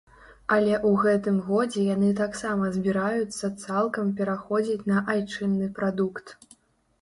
Але ў гэтым годзе яны таксама збіраюцца цалкам пераходзіць на айчынны прадукт.